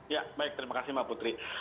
ya baik terima kasih mbak putri